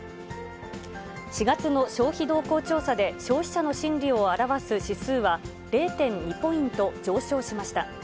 ４月の消費動向調査で、消費者の心理を表す指数は、０．２ポイント上昇しました。